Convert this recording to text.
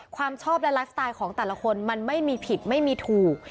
ความชอบและไลฟ์สไตล์ของแต่ละคนมันไม่มีผิดไม่มีถูก